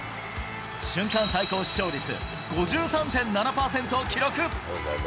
瞬間最高視聴率５３．７％を記録。